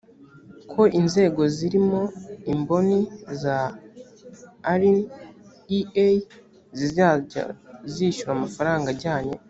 ko inzego zirimo imboni za arin ea zizajya zishyura amafaranga ajyanye